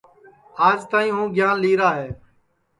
اور آج تک ہوں گیان لئیرا ہے